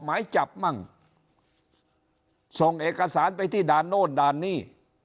หมายจับมั่งส่งเอกสารไปที่ด่านโน่นด่านนี่